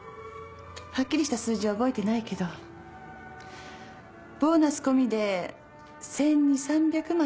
はっきりした数字は覚えてないけどボーナス込みで１２００１３００万ってところかしら。